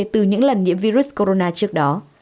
từ những lần nhiễm virus corona trước đó